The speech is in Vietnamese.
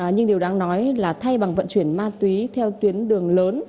nhưng điều đáng nói là thay bằng vận chuyển ma túy theo tuyến đường lớn